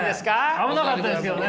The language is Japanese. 危なかったですけどね！